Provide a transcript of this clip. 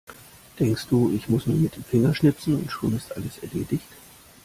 Denkst du, ich muss nur mit dem Finger schnipsen und schon ist alles erledigt?